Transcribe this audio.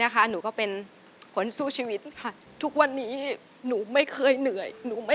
ขอบคุณครับ